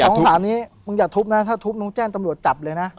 สองสาวนี้มึงอย่าทุบนะถ้าทุบมึงแจ้งตำรวจจับเลยนะ